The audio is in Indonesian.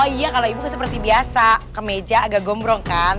oh iya kalau ibu seperti biasa ke meja agak gombrong kan